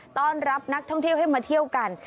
ต้อนรับนักท่องเที่ยวให้มาเที่ยวกัน